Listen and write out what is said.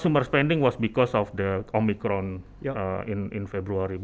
penerbangan penggunaan adalah karena omicron di februari